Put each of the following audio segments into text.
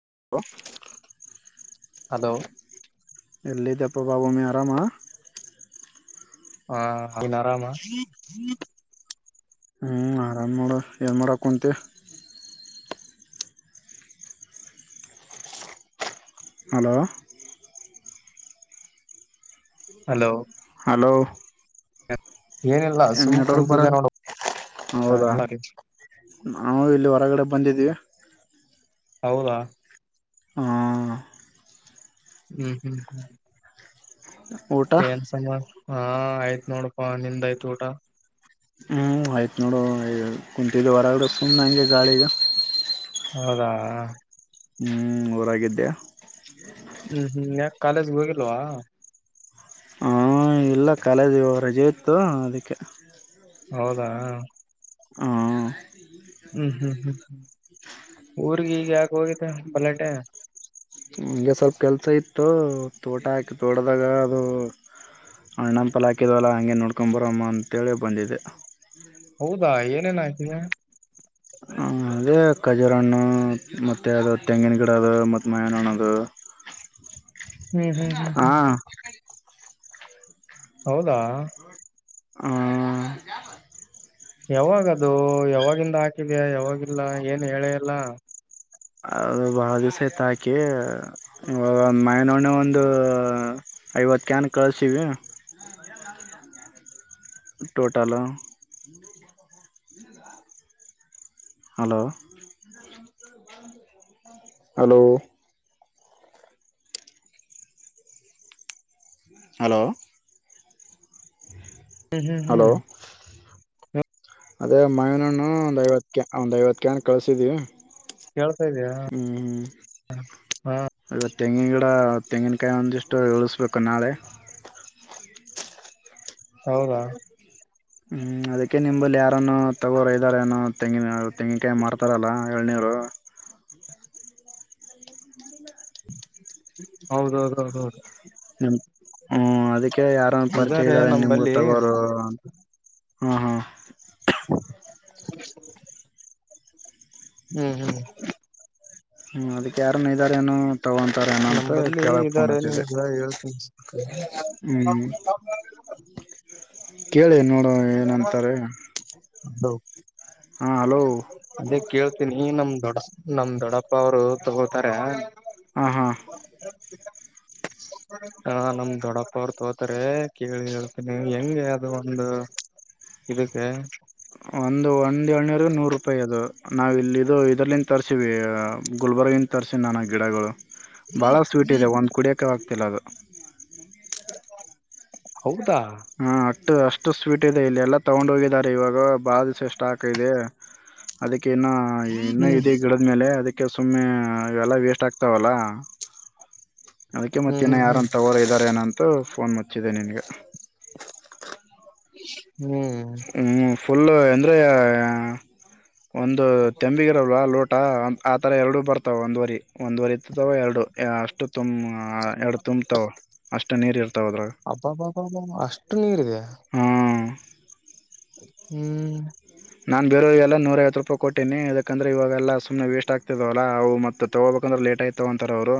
ಹ ಹಲೋ ಇದೆಪ್ಪ ಬಬ ಮ ಆರಾಮ ಹಾ ಇನ್ ಆರಾಮಾ ಹ್ಮಞ ಆರಾಮ ಮಾಡು ಏನ್ ಮಾಡ ಕುಂತೀ ಹಲೋ ಹಲೋ ಹಲೋ ಹ ಎಣ ಬರ ಅಂತ ಹೌದಾ ನಾವು ಇಲ್ಲಿ ಹೊರಗಡೆ ಬಂದಿದೀವಿ ಹೌದಾ ಹಾ ಹ್ಮ್ ಹ್ಮ್ ಹ್ಮ್ ಊಟ ಏನ್ ಸಮಮ್ಮ ಹಾ ಆಯ್ತ್ ನೋಡಪಾ ನಿಮ್ದು ಆಯ್ತ ಊಟ ಹ್ಞೂ ಆಯ್ತು ನೋಡು ಕುಂತಿದ್ದ ಹೊರಗಡೆ ಫುನ್ ನಂಗೆ ಗಾಳಿಗೆ ಹೌದಾ ಹ್ಮ್ ಊರಾಗಿದ್ದೆ ಹ್ಮ್ ಹ್ಮ್ ಯಾಕ ಕಾಲೇಜ್ಗೆ ಹೋಗಿಲ್ವಾ ಹ ಇಲ್ಲ ಕಾಲೇಜ್ ರಜೆ ಇತ್ತು ಅದಕ್ಕೆ ಹೌದಾ ಹ ಹ್ಮ್ ಹ್ಮ್ ಹ್ಮ್ ಹ್ಮ್ ಊರ್ಗ ಈಗ ಯಾಕೆ ಹೋಗಿದೆ ಬಲಟೆ ಹಗೆ ಸ್ವಲ್ಪ ಕೆಲಸ ಇತ್ತು ತೋಟ ಹಾಕಿ ತೋಟ್ದಾಗ ಅದು ಅಣ್ಣಂಪಲ್ ಹಾಕಿದವಲ್ಲ ಹಗೆ ನೋಡ್ಕೊು ಬರಮ್ಮ ಅಂಂತೇಳಿ ಬಂದಿದೆ ಹೌದಾ ಏನೇನ್ ಆಯ್ತೀನ ಹ ಅದೇ ಖಜೂರ ಹಣ್ಣು ಮತ್ತು ಅದು ತೆಂಗಿನ ಗಿಡ ಅದು ಮತ್ತು ಮಯಾನ ಹಣ್ಣು ಅದು ಹ್ಮ್ ಹ್ಮ್ ಹ್ಮ್ ಹಾ ಹ್ಮ್ ಹೌದಾ ಹ ಯಾವಾಗದು ಯಾವಾಗಿಂದ ಹಾಕಿದ್ಯಾ ಯಾವಾಗಿಲ್ಲ ಏನ್ ಹೇಳೇಲ್ಲ ಅದು ಬಹಳ ದಿವಸೈತ ಹಾಕಿ ಮೈನೊ್ಣ ಒಂದು ಐವತ್ಕನ್ ಕಳಸೀವಿ ಟೋಟಾಲ ಹಲೋ ಹಲೋ ಹಲೋ ಹ್ಮ್ ಹ್ಮ್ ಹಲೋ ಹ್ಮ್ ಅದೇ ಮಯೂನ್ಣ ಒಂದ್ ಐವತ್ ಒಂದ್ ಐವತ್ಕನ್ ಕಳಸಿದ್ವಿ ಕೇಳ್ತಾ ಇದಯ ಹಾ ಇವತ್ ತೆಂಗಿನ ಗಿಡ ತೆಂಗಿನಕಾಯಿ ಒಂದಿಷ್ಟು ಇಳಿಸ್ಬೇಕು ನಾಳೆ ಹೌದಾ ಹ್ಮ್ ಅದಕ್ಕೆ ನಿಂಬಲ್ಲಿ ಯಾರನೋ ತಗೋರ ಇದ್ದಾರ ಏನೋ ತೆಂಗಿನ ತೆಂಗಿನಕಾಯಿ ಮಾರ್ತಾರಲ್ಲ ಎಳ್ನೀರು ಹೌದೌದ ಹೌದೌದು ನಿಮ ಹ್ಮ ಅದಕ್ಕೆ ಯಾರಂದು ಪರಿಚಯ ಇದಾರೆ ಇದ್ದಾರೆ ನಿಮ್ಗು ನಂಬಲ್ಲಿ ತಗೋರು ಅಂತ ಹ್ಮ ಹ್ಮ್ ಹ್ಮ್ ಹ್ಮ್ ಹ್ಮ್ ಅದ ಯಾರನ್ ಇದಾರ ಏನುೋ ತಗೊಂತಾರ ಏನ ಅಂತ ನಂಬಲ್ಲಿ ಕೇಳಕ್ ಫೋನ್ ಇದಾರೆ ಹತಿದೆ ನಿಮ್ಗ ಹೇಳ್ತೀನಿ ಹ್ಮ್ ಕೇಳನು ನೋಡೋ ಏನಂತಾರೆ ಹಾಂ ಹಲೋ ನಿ ನಮ ದೊಡ್ಡ ನಮ್ ದೊಡ್ಡಪ್ಪ ಅವರು ತಗೋತಾರ ಹಾ ಹಾ ಹ ನಮ್ದ ದೊಡ್ಡಪ್ಪ ಅವರು ತೋತಾರೆ ಕೇಳಿ ಹೇಳ್ತೀನಿ ಹೆಂಗೆ ಅದು ಒಂದು ಇದಕ್ಕೆ ಪ್ಪೈ ಅದು ನಾವವು ಇಲ್ಲಿಿದದು ಇದ್ರಲ್ಲಿಂದ ತರಿಸೀವಿ ಗುಲ್ಬರ್ಗಿಂದ ತರಿಸೀಿ ನಾನು ಗಿಡಗಳು ಭಾಳ ಸ್ವೀಟ್ ಇದೆ ಒಂದು ಕುಡಿಯೋಕ್ಕೆ ಆಗ್ತಿಲ್ಲ ಅದು ಹೌದಾ ಹ ಅಷ್ಟು ಸ್ವೀಟ್ ಇದೆ ಇಲ್ಲಿ ಎಲ್ಲ ತಗೊಂಡ್ ಹೋಗಿದ್ದಾರೆ ಇವಾಗ ಬಾ ದ್ ಸ್ಟಾಕ್ ಇದೆ ಅದಕ್ಕೆ ಏನ ಹ್ಮ್ ಇದೆ ಗಿಡದ ಮೇಲೆ ಅದಕ್ಕೆ ಅಕ ಸುಮ್ಮನೆ ಇವೆಲ್ಲ ವೇಸ್ಟ್ ಆಗ್ತಾವಲ್ಲ ಅದಕ್ಕೆ ಮತ್ತ ಹ್ಮ್ ಇನ್ನ ಹ್ಮ್ ಯಾರನ್ ಹ್ಮ್ ತಗೋರ ಇದಾರೆ ಏನಂತ ಮತ್ತು ಫೋನ್ ಮುಚ್ಚಿದ್ದೆ ನಿನಗೆ ಹ ಹ್ಮ್ ಫುಲ್ ಅಂದ್ರೆ ಒಂದು ತಂಬಿಗಿರಲ್ವಾ ಲೋಟ್ ಆತರ ಎರಡು ಬರ್ತಾವ ಒಂದ್ವರಿ ಒಂದ್ುವರಿ ಇತವ ಎರಡು ಅಷ್ಟು ತುಂಬ ಎರಡು ತುಂಬತಾವ ಅಷ್ಟು ನೀರ್ ಇರ್ತ ಅಬ್ಬಬ್ ಎಷ್ಟು ನೀರಿದೆ ಹ್ಮ ಹ್ಮ್ ನಾನು ಬೇರೋ ಇ ಎಲ್ಲ ನೂರೈವತ್ತು ರೂಪಾಯಿ ಕೊಟ್ಟೀನಿ ಯಾಕಂದ್ರರೆ ಇವಾಗೆಲ್ಲ ಸುಮ್ಮನೆ ವೇಸ್ಟ್ ಆಗ್ತಿದವಲ್ಲ ಅವು ಮತ್ತು ತೊಗೋಬೇಕಂದ್ರೆ ಲೇಟ್ ಆಯ್ತಾವ ಅಂತಾರೆ ಅವರು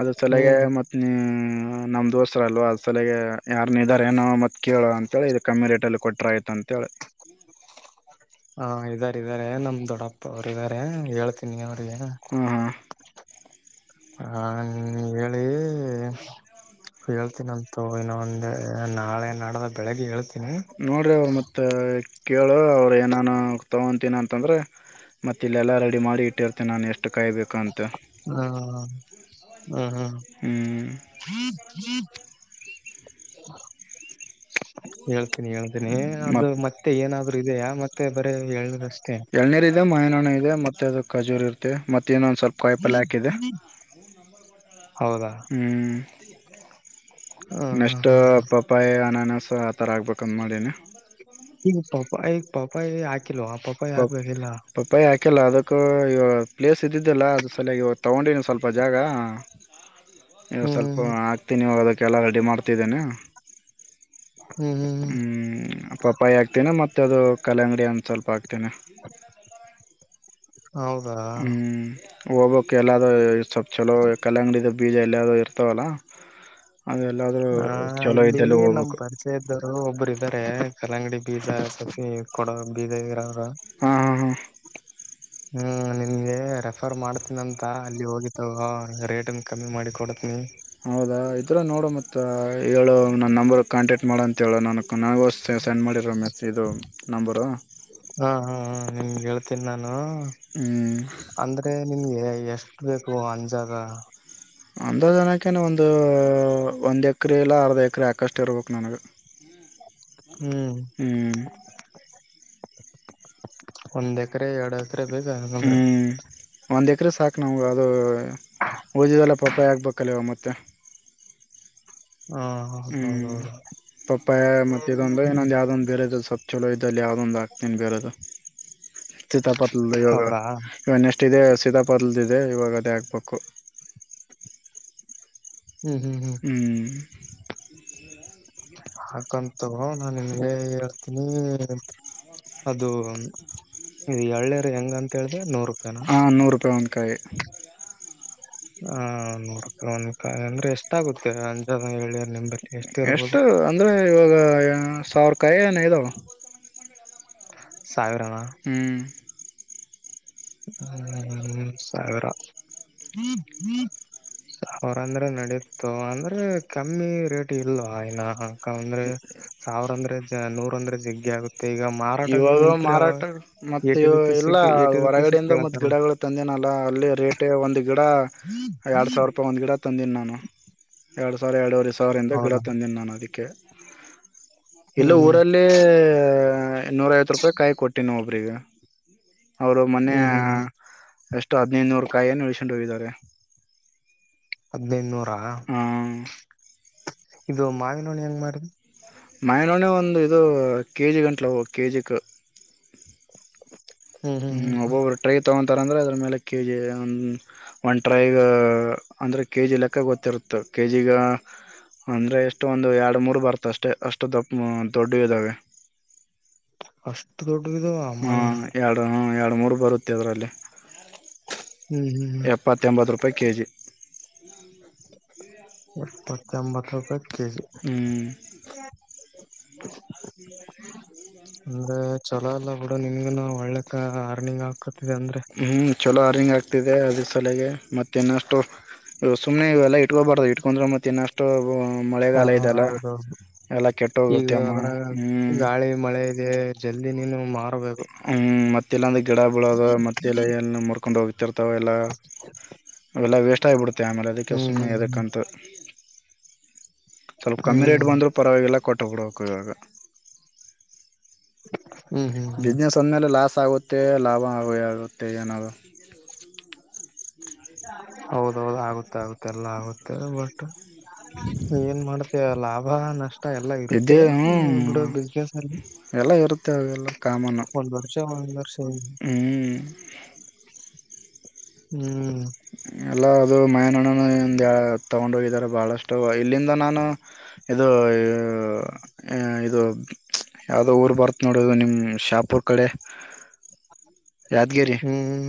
ಅದ ಸಲಗೆ ಹ್ಮ್ ಮತ್ ನೀ ನಮ್ಮ ದೋಸ್ರಲ್ವ ಅದ್ ಸಲಗೆ ಯಾರನ್ನ ಇದಾರ ಏನೋ ಮತ್ತ ಕೇಳ ಅಂತೇಳಿ ಇದು ಕಮ್ಮಿ ರೇಟಲ್ಲಿ ಕೊಟ್ರ ಆಯ್ತ ಅಂತೇಳಿ ಹ್ಮ್ ಹಾ ಇದ ಾರೆ ನಮ್ ದೊಡ್ಡಪ್ಪ ಇ ಅವದಾರೆ ಎಳಳ್ತಿನಿ ಹಾ ಹಾ ಹ ಹೇಳಿ ಹೇಳ್ತೀನಂತು ಇನ್ನೊ ಒಂದ ನಾಳೆ ನಾಡದ ಬೆಳಿಗ್ಗೆ ಹೇಳ್ತಿ ನೋಡ್ರಿ ಅವ್ರ ಮತ್ತ ಕೇಳು ಅವ್ರು ಏನಾನ ತೊಗೊತೀನ ಅಂತಂದ್ರೆ ಮತ್ತೆ ಇಲ್ಲೆಲ್ಲ ರೆಡಿ ಮಾಡಿ ಇಟ್ಟಿರ್ತೀನಿ ನಾನು ಎಷ್ಟು ಕಾಯಬೇಕಂತ ಹ ಹ್ಮ್ ಹ್ಮ ಹೇಳಳ್ ಹೇಳ್ತೇನಿ ಅದು ಮತ್ ಮತ್ತೆ ಏನಾದ್ರು ಇದೆಯಾ ಮತ್ತೆ ಮತ್ತೆ ಬರ ಹೇಳಏಷ್ಟೆ ಎಏನೇರ ಇದೆ ಮಯನಾ ಇದೆ ಮತ್ತೆ ಅದ ಕಜೂರಿ ಇತ್ತತೆ ಮತ್ತೆ ಏನ ಒಂದ ಸ್ವಲ್ಪ ಕಾಯಿಪಲ್ ಹಾಕಿದೆ ಹೌದಾ ಹ್ಮ್ ಹ ಹ ಹಾ ನಷ್ಟ ಹಾ ಹಾ ಪಾಪಾಯ ಅನಾನ ಸಹ ಆ ಥರ ಆಗ್ಬೇಕಂದು ಮಾಡೀನ ಈ ಪಾಪಾ ಪಾಪಾ ಪ ಪಪ್ಪ ಯಾಕೆಲ್ಲ ಅದ ಇವಾಗ ಪ್ಲೇಸ್ ಇದ್ದಿದ್ದಿಲ್ಲ ಅದು ಸಲಯಾಗಿ ಇವಾಗ ತೊಗೊಂಡನ ಸ್ವಲ್ಪ ಜಾಗ ನೀ ಹ್ಮ್ ಸ್ವಲ್ಪ ಹ್ಮ್ ಹಾಕ್ತೀನಿವಾಗ ಅಕ್ಕೆಲ್ಲ ರೆಡಿ ಮಾಡ್ತಿದ್ದೇನೆ ಹ್ಮ್ ಹ್ಮ್ ಹ್ಮ್ ಪಪ್ಪಾಯಿ ಆಗ್ತೀಿನ ಮತ್ತೆ ಇ ಕ ಅಂಗಡಿ ಅಂದು ಸ್ವಲ್ಪ ಇತ್ತನೆ ಹೌದಾ ಹೋಗ್ೋಕ್ಕೆ ಎಲ್ಲಾದ ಸ್ವಲ್ಪ್ ಚಲೋ ಕಲ್ಲಂಗಡಿದು ಬೀಜ ಎಲ್ಲಾದೂ ಇರ್ತವಲ್ಲ ಹ ಇಲ್ಲಿ ನಮ್ ಪರಿಚಯ ಇದ್ದರು ಒಬ್ಬರು ರೆ ಕಲಂಗಡಿ ಪಜಾ ಕಡ ಬೀದಗರ ಅವ್ರ ಹಾ ಹಾ ಹಾ ಹ್ಮ್ ನಿನ್ಗೆ ರೆಫರ್ ಮಾಡ್ತೀನಿ ಅಂತ ಅಲ್ಲಿ ಹೋಗಿಿತವ ರೇಟನ್ ಕಮ್ಮಿ ಮಾಡಿ ಕೊಡತನಿ ಹೌದಾ ಆ್ ಈರ ನೋಡೋ ಮತ್ತ ಹೇಳೋ ನನ್ನ ನಂಬರ್ ಕಾಟಕ್ಟ್ ಇ ಮಾಡೋಂತೇಳೋ ನನು ನನಗೋ ಸ ಸೆಂಡ್ ಮಾಡಿರ ಮೆ ಇದು ನಂಬರು ಹಾ ಹಾ ಹ ನಿಮಗೆ ಹೇಳ್ತೀನಿ ನಾನ ಹಾ ಹ್ಮ್ ಅಂದ್ರೆ ನಿಮ್ಗೆ ಎಷ್ಟು ಬೇಕು ಅಂಜಾಗ ಅಂದ ಜನಕ್ಕೆ ಒಂದು ಒಂದು ಎಕರೆ ಇಲ್ಲ ಅರ್ಧ ಎಕರೆ ಆಾಕಷ್ಟು ಇರ್ಬೇಕು ನನಗೆ ಹ್ಮ್ ಒಂದ ಹತ್ರೆ ಎರಡು ಹಸರ ಬೇಗ ಅಕಂದ್ರೆ ಇ್ರ ಸಾಕು ನಮ್ಗೆ ಅದು ಓದಿದಲ್ಲ ಪಪ್ಪಾಯ ಆಾಕ್ಬೇಕಲ್ಲವ ಮತ್ತೆ ಹ ಹ್ಮ್ ಹೌದೌದೌದು ಪಪ್ಪಾಯ ಮತ್ತ ಇದೊಂದು ಇನ್ನೊಂದ್ ಯಾವ್ದೊಂದ್ ಬೇರೆದ ಸ ಚಲೋ ಇದಲ್ಲಿ ಯಾವ್ದೊಂದ್ ಆಾತೇನ್ ಬೇರೆದು ಸೀತಾಪತ್ಲ್ ಇವಾಗ ಹೌದಾ ಇವಾಗ ನೆಕ್ಸ್ಟ್ ಇದೆ ಸೀತಾಪಾತ್ಲದ ಅದೇ ಇವಾಗದೇ ಆಗಬೇಕು ಹ್ಮ್ ಹ ಅ ಕಂತು ನಾನು ನಿಂಗೆ ಹೇಳ್ತೀನಿ ಅದು ಈ ಹಳ್ಳೇರು ಹೆಂಗ ಅಂತ ಹೇಳ್ದ ನೂರು ರೂಪಾಯಿನ ಹಾ ನೂರು ರೂಪಾಯಿ ಒಂದಕಾಯಿ ಹ ಹ ನೋಡ್ ಒಂದಕಾಯಿ ಅಂದ್ರೆ ಎಷ್ಟಾಗುತ್ತೆ ಅಂಜಾನ ಹೇಳಿಯ ನಿಂಬ ಎಷ್ಟು ಅಂದ್ರೆ ಇವಾಗ ಸಾವಿರ ಕೈನ ಇದುೋ ಸಾವಿರಾನ ಹ್ಮ ಸಾವಿರ ಸಾವಿರ ಅಂದ್ರೆ ನಡೀತು ಅಂದ್ರೆ ಕಮ್ಮಿ ರೇಟ್ ಇಲ್ವಾ ನ ಅಂದ್ರೆ ಸಾವಿರ ಅಂದ್ರೆ ನೂರ ಒಂದ್ರ ಜಗ್ಗೆ ಆಗುತ್ತೆ ಈಗ ಮಾರಾಟಕ್ಕೆ ಇವಾಗ ನಿಂತ್ರೆ ಅವ ಮಾರಾಟ ಮತ್ತ ಏಟಿ ಇ ರುಪೀಸ್ ಇಲ್ಲ ಏಟಿ ರುಪೀಸ್ ಹೊರಗಡೆ ಮ ಕೇಳತಾರ ಗಿಡಗಳು ತಂದನಲ್ಲ ಅಲ್ಲಿ ರೇಟ್ ಒಂದು ಎರಡು ಸಾವಿರ ರೂಪಾಯಿ ಒಂದು ಗಿಡ ತಂದೀನಿ ನಾನು ಎರಡು ಸಾವಿರ ಎರಡವರೆ ಸಾವರಿಂದ ಗಿಡ ಹೌದಾ ತಂದಿನಿಾನು ಅದಕ್ಕೆ ಇಲ್ಲ ಹ್ಮ್ ಹ್ಮ್ ಊರಲ್ಲಿ ನೂ ಐತ್ತು ರೂಪಾಯಿ ಕೊಟ್ಟಿೋವು ಪರಗ ಅವ್ರು ಮೊನ್ನ ಹ್ಮ್ ಹ್ಮ್ ಹ್ಮ್ ಎಷ್ಟು ಹದ್ಿನೈದುನೂರು ಕಾಯಿನ್ನು ಉಳ್ಸೊಂಡು ಹೋಗಿದ್ದಾರೆ ಸ ಅದೇನ್ನು ಹ ಇದು ಮಾವಿನೋ್ಣ ಹೆಂಗ್ ಮಾಡುದು ಮೈನೋನ ಒಂದು ಇದು ಕೆ ಜಿ ಗಂಟ್ಲವು ಕೆಜಿಿಗೆ ಹ್ಮ್ ಒಬ್ಬೊಬ್ಬೊಟ ತಗ ಥಾರೆಂದ್ರರೆ ಅದ್ರ ಮೇಲೆ ಕೆ ಜಿ ಒಂದು ಒನ್ ಟ್ರೈಗೆ ಅಂದರೆ ಕೆ ಜಿ ಲೆಕ್ಕ ಗೊತ್ತಿರುತ್ತೆ ಕೆ ಜಿಿಗೆ ಅಂದರೆ ಎಷ್ಟೊಂದು ಎರಡು ಮೂರು ಬರುತ ಅಷ್ಟೆ ಅಷ್ಟು ದಪ್ಪ ದೊಡ್ಡ ಇದ್ದಾವೆ ಅಷ್ಟು ದೊಡ್ಡ ಹ್ಮ ಎರಡು ಹ್ಮ ಎರ ಎರಡು ಮೂರು ಬರುತ್ತೆ ಅದರಲ್ಲಿ ಹ್ಮ್ ಹ್ಮ್ ಹ್ಮ್ ಎಪ್ಪತ್ತ ಎಂಬತ್ತು ರೂಪಾಯಿ ಕೆಜಿ ಹ್ಮ್ ಹ ಜಾಮಂಬಥ ಪ ಕೆಿ ಅಂದ್ರೆ ಹ್ಮ ಚಲೋ ಅಲ್ಲ ಬಿಡ ನಿನ್ಗ ಒಳ್ಳಕ್ಕ ಅರ್ನಿಂಗ್ ಆಗ್ ಹ್ಮ್ ಚಲೋ ಅರನಿಂಗ ಅಗ ಆಗ್ತಿದೆ ಅದರ ಸಲಗೆ ಮತ್ತ ಇನ್ನಷ್ಟು ಸುಮ್ನೆ ಇವೆಲ್ಲಾ ಇಟ್ಕೋಬಾರ್ದು ಇಟ್ಕೊಂಡ್ರೆ ಮತ್ತ ಇನ್ನಷ್ಟು. ಹಾ ಮಳೆಗಾಲ ಇದೆಲ್ಲ ಹೌದೌದು ಎಲ್ಲಾ ಕೆಟ್ಟ ಈಗ ಹೋಗುತ್ತೆ ಅಮ್ಮ ಅದ್ರಾಗ ಹ್ಮ್ ಗಾಳಿ ಮಳೆ ಇದೆ ಜಲ್ದಿ ನೀನು ಮಾರಬೇಕು. ಹ್ಮ್ ಮತ್ತೆಲ್ಲೊಂದ ಐತಿ. ಗಿಡ ಬೆಳೆದ ಮತ್ತೆ ಲಯನ ಮುರಕೊಂಡು ಹೋಗುತ್ತೆ. ಇರ್ತಾವ ಎಲ್ಲಾ ಅವೆಲ್ಲ ವೇಸ್ಟ್ ಆಗಿಬಿಡತೆ ಆಮೇಲೆ ಅದಕ್ಕೆ ಸುಮ್ಮ್ನೆ ಹ್ಮ್ ಎದಕ್ಕಂತ. ಸ್ವಲ್ಪ ಕಮ್ಮಿ ಹ್ಮ್ ರೇಟ್ ಬಂದ್ರು ಪರವಾಗಿಲ್ಲ. ಒಟರ ಓಡುವ ಕ್ವೆಯಾಗ. ಹ್ಮ್ ಹ್ಮ್ ಹ್ಮ್ ಬಿಸ್ನೆಸ್ ಒಂದ್ಮೇಲೆ ಲಾಸ್ ಆಗುತ್ತೆ ಲಾಭ ಹಾಗೂ ಎರಡು. ಮತ್ತೆ ಏನದು ಹೌದೌಹೌದು ಆಗುತ್ತೆ ಆಗುತ್ತೆ ಎಲ್ಲ ಆಗುತ್ತೆ ಬಟ್ ಏನ್ ಮಾಡ್ತೀಯಾ. ಲಾಭ ನಷ್ಟ. ಎಲ್ಲಾ ಇದೇ ಇರುತ್ತೆ ಬಿಡು ಬಿಸ್ನೆಸ್ ಅಲ್ಲಿ ಎಲ್ಲ ಇರುತ್ತೆ ಅವೆಲ್ಲ ಕಾಮನು ಒಂದ್ ವರ್ಷ ಒಂದ್ ವರ್ಷ ಹ್ಮ್ ಹ್ಮ್ ಹ. ಎಲ್ಲ ಅದು ಮಯನಣನ. ತಗೊಂಡೋಗಿದ್ದಾರೆ ಬಾಳಷ್ಟು ಇಲ್ಲಿಂದ ನಾನು ಇದು ಇದು ಯಾವುದೋ ಊರು ಬರ್ತ್ತ ನೋಡದು ನಿಮ್ಮ ಶಾಪುರ್ ಕಡೆ. ಯಾದಗಿರಿ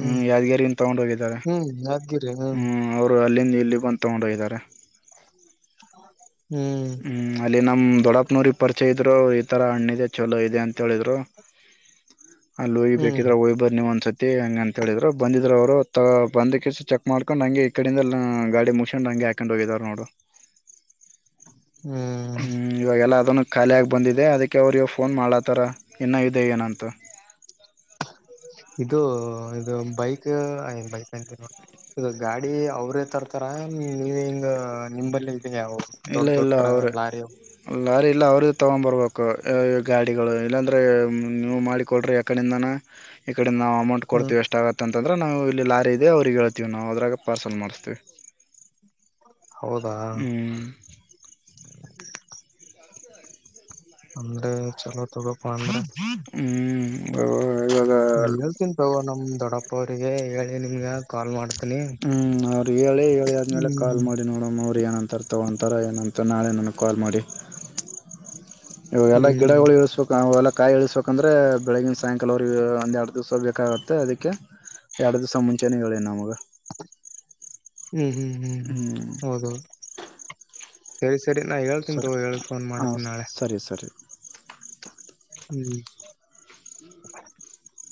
ಹ್ಮ್ ಯಾದಗಿರಿಂದ ತಗೊಂಡ ಹೋಗಿದ್ದಾರೆ ಹ್ಮ್ ಯಾದಗಿರಿ ಹ್ಮ್ ಅವರು ಅಲ್ಲಿಂದ ಇಲ್ಲಿ. ಇಲ್ಲಿ ಬಂದು ತಗೊಂಡೋ ಹೊಗಿದಾರೆ ಹ್ಮ್ ಹ್ಮ್ ಅಲ್ಲಿ ನಮ್ ದೊಡ್ಡಪ್ಪನವರಿಗೆ ಪರಿಚಯ ಇತ್ತು. ಇದ್ರು ಈಥರ ಹಣ್ಣ ಇದೆ ಚಲೋ ಇದೆ ಅಂತ ಹೇಳಿದ್ರು. ಅಲ್ಲಿ ಹೋಯಿ ಹ್ಮ್ ಬೇಕಿದ್ರ ಹೋಯಿ ಬರ್ ನೀ ಒಂದಸತಿ. ಹಂಗ ಅಂತ ಹೇಳಿದ್ರು ಬಂದಿದರು ಅವ್ರು ತ ಬಂದಕ್ಕೆಸ ಚೆಕ್ ಮಾಡ್ಕೊಂಡು ಹಂಗೆ ಈ ಕಡಿಂದ ಗಾಡಿ ಮುಗಿಸಿಕೊಂಡು ಹಂಗೆ ಹಾಕೊಂಡು ಹೋಗಿದಾರ ನೋಡು. ಹ್ಮ್ ಹ್ಮು--ಇವಾಗೆಲ್ಲ. ಅದನ್ನು ಖಾಲಿಯಾಗಿ ಬಂದಿದೆ ಅದಕ್ಕೆ ಅವ್ರಿಗೆ ಫೋನ್ ಮಾಡ್ಲಾತಾರ ಇನ್ನೂ ಇದೆ ಏನಂತ. ಇದು ಇದು ಬೈಕ್ ಬೈಕ್ ಅಂತ ಇದು ಗಾಡಿ ಅವ್ರೇ ತರ್ತಾರ ನೀವ ಹಿಂಗ ನಿಮ್ಮಲ್ಲೇ. ಇಲ್ಲ ತೊಡ್ ಇಲ್ಲ ತೊಟ್ರ ಅವ್ರ ಲಾರಿಯ. ಲಾರಿ ಇಲ್ಲ ಅವ್ರ ತಗೊಂಡ್ ಬರ್ಬೇಕು ಗಾಡಿಗಳು ಇಲ್ಲಾಂದ್ರೆ ನೀವು ಮಾಡಿಕೊಡ್ರಿ ಯಕಡಿಂದಾನ. ಕಡೆ ನಾ ಅಮೌಂಟ ಹ್ಮ್ ಕೋಡ್ತಿವಿ ಎಷ್ಟ ಆಗತ್ತಂತ. ಅಂದ್ರ ನಾವು ಇಲ್ಲಿ ಲಾರಿ ಇದೆ ಅವ್ರಿಗೆ ಹೇಳ್ತೀವಿ ನಾವು ಅದ್ರಾಗ ಪಾರ್ಸಲ್ ಮಾಡಸ್ತೀವಿ ಹೌದಾ ಅಂದ ಚಲೋ ತಗ ಪ ಹ್ ಇವಾಗ ಅಡಪ್ಪ ಅವ್ರರಿಗೆ ಹೇಳಿ ನಿಮ್ಗ ಕಾಲ್ ಮಾಡ್ತಾರೆ ಹ್ಮ್ ಅವರು ಹೇಳಿ ಹೇಳಿ ಆದ್ಮೇಲೆ ಕಾಲ್ ಹ್ಮ್ ಮಾಡಿ ನೋಡಮ್ ಅವ್ರರು ಏನಂತಾರ ತಗೊಂತಾರ ಏನಂತ ಮತ್ತು ನಾಳೆ ನನಗೆ ಕಾಲ್ ಮಾಡಿ ಇವಾಗ ಎಲ್ಲಾ ಹ್ಮ್ ಗಿಡಗಳು ಇರ್ಸ್ಬೇಕುಲ್ಲ ಕಾಯಿ ಇಳಿಸಬೇಕಂದ್ರೆ ಬೆಳಗಿನ ಸಾಯಂಕಾಲವ್ರಿಗೆ ಒಂದ ಎರಡು ದಿವ್ಸ ಬೇಕಾಗುತ್ತೆ ಅದಕ್ಕೆ ಎರಡು ದಿವ್ಸ ಮುಂಚೆನೇ ಹೇಳಿ ನಮಗೆ ಹ್ಮ್ ಹ್ಮ್ ಹ್ಮ್ ಹೌದೌದು ಸರಿ ಸರಿ ನಾು ಹೇಳ್ತೀ ಸರಿ ತಗೋ ಹೇಳಕ್ ಫನ್ ಹ ಮಾಡತೀನಿ ನಾಳೆ ಸರಿ ಸರಿ ಹ್ಮ್ [inaudible]